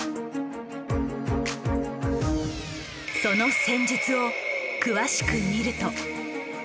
その戦術を詳しく見ると。